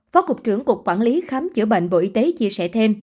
phó cục trưởng cục quản lý khám chữa bệnh bộ y tế chia sẻ thêm